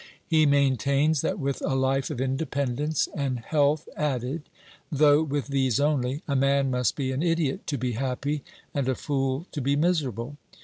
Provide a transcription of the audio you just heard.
He main tains that with a life of independence and health added, though with these only, a man must be an idiot to be happy, and a fool to be miserable.